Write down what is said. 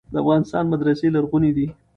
د افغانستان مدرسې لرغونې دي.